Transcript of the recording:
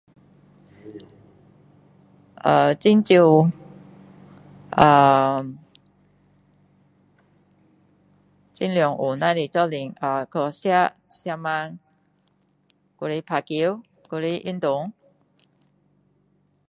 ahh 很少 ahh 尽量有，那是一起去吃晚餐，还是打球，还是运动。